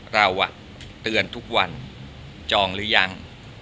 เราเตือนทุกวันจองหรือยัง